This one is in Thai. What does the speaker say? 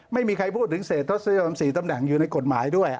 ไม่มีใครพูดถึงเศษทศนิยม๔ตำแหน่งอยู่ในกฎหมายด้วย